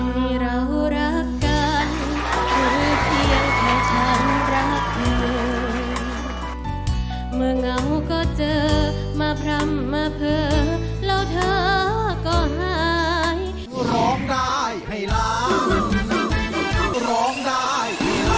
เมื่อเหงาก็เจอมาพรำมาเพิ่มแล้วเธอก็หาย